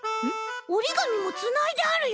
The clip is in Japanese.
おりがみもつないであるよ。